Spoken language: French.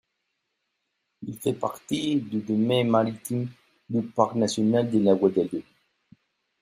Il fait partie du domaine maritime du Parc national de la Guadeloupe.